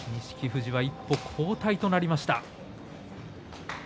富士は一歩後退となりました。